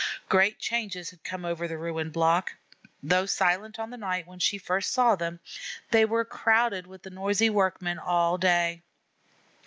Great changes had come over the ruined blocks. Though silent on the night when she first saw them, they were crowded with noisy workmen all day.